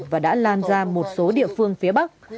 và đã lan ra một số địa phương phía bắc